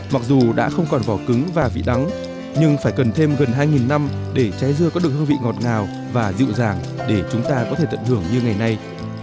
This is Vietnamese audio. mặc dù đã không còn vỏ cứng và vị đắng nhưng phải cần thêm gần hai năm để trái dưa có được hương vị ngọt ngào và dịu dàng để chúng ta có thể tận hưởng như ngày nay